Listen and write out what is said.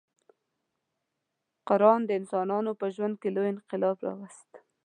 قران د انسانانو په ژوند کې نوی انقلاب راوست.